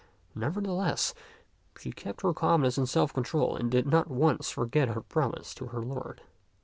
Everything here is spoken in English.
Nevertheless, she kept her calmness and self control and did not once forget her promise to her lord.